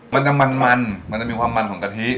มันจะมันมันจะมีความมันของกะทิ